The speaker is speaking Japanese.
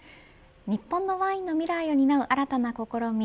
日本のワインの未来を担う新たな試み